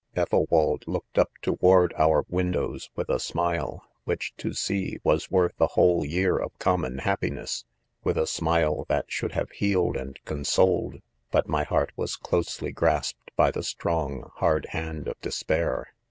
; i Ethelwald looked up. toward our windows with a smile, whichj to see, was worth a whole year of common happiness!, with a smile that should have^ healed and . cons61ed,.but my heart was closely ! grasped by the strong hard hand of despair.